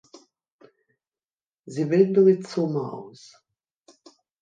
Sie bilden Rhizome aus.